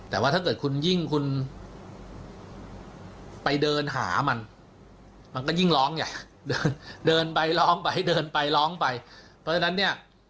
แต่ว่าถ้าเกิดคุณยิ่งคุณไปเดินหามันมันก็ยิ่งร้องใหญ่เดินเดินไปร้องไปเดินไปร้องไปเพราะฉะนั้นเนี่ย